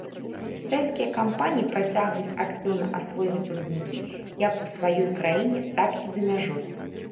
Кітайскія кампаніі працягваюць актыўна асвойваць руднікі як у сваёй краіне, так і за мяжой.